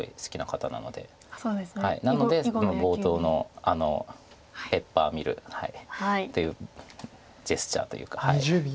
なので冒頭のペッパーミルというジェスチャーというか。